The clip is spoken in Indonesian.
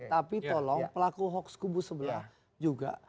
tapi tolong pelaku hoax kubu sebelah juga